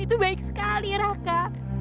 itu baik sekali raka